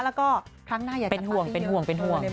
แล้วก็ครั้งหน้าอย่ากันมากเยอะ